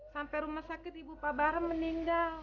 sampai rumah sakit ibu pak bara meninggal